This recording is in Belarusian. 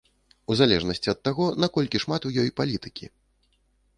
У залежнасці ад таго наколькі шмат у ёй палітыкі.